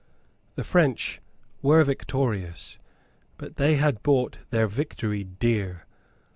The French were victorious; but they had bought their victory dear.